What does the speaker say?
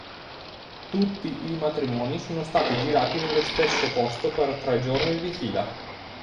Tutti i matrimoni sono stati girati nello stesso posto per tre giorni di fila.